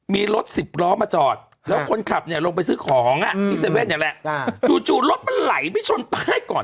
มีรถสิบล้อมาจอดแล้วคนขับเนี่ยลงไปซื้อของที่๗๑๑นี่แหละจู่รถมันไหลไปชนป้ายก่อน